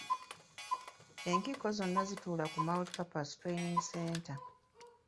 Enkiiko zonna zituula ku multi-purpose training center.